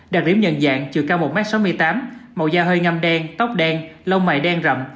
đặc điểm nhận dạng chiều cao một m sáu mươi tám màu da hơi ngâm đen tóc đen lông mày đen rậm